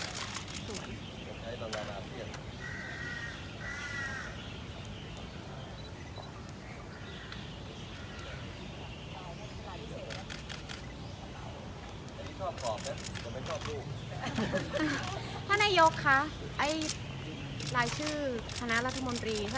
เท่าดูสิสนุกน้อยท่านไทยท่านน้อยยกขอบลูกท่านยกค่ะไอ้ลายชื่อคณะรัฐมนตรีเธอ